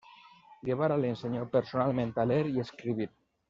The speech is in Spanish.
Guevara le enseñó personalmente a leer y escribir.